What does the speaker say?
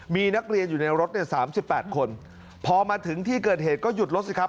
มีนักเรียนอยู่ในรถเนี่ย๓๘คนพอมาถึงที่เกิดเหตุก็หยุดรถสิครับ